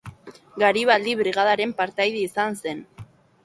Garibaldi Brigadaren partaide izan zen.